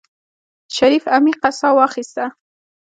شريف عميقه سا واخيسته.